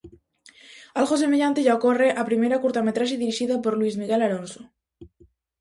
Algo semellante lle ocorre á primeira curtametraxe dirixida por Luís Miguel Alonso.